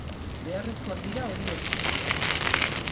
Beharrezkoak dira horiek guztiak.